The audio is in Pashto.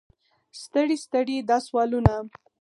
ستړي ستړي دا سوالونه.